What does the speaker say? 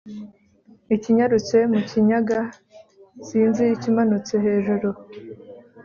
ikinyarutse mu kinyaga/ sinzi ikimanutse hejuru/